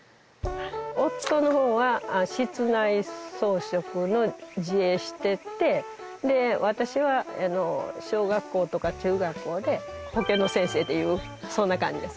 夫の方は室内装飾の自営してて私は小学校とか中学校で保健の先生というそんな感じです。